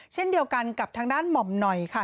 เช่นเดียวกันกับทางด้านหม่อมหน่อยค่ะ